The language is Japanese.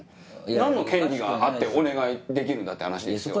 何の権利があってお願いできるんだって話ですよ。